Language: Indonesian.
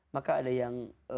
maka ada yang